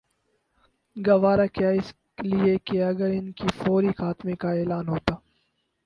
گوارا کیا اس لیے کہ اگر ان کے فوری خاتمے کا اعلان ہوتا